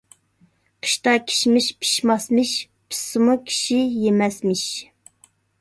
قىشتا كىشمىش پىشماسمىش، پىشسىمۇ كىشى يېمەسمىش.